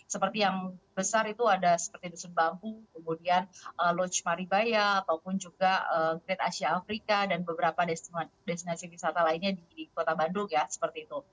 seperti yang besar itu ada seperti dusun bambu kemudian lucu maribaya ataupun juga great asia afrika dan beberapa destinasi wisata lainnya di kota bandung ya seperti itu